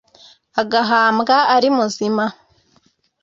agahambwa ari muzima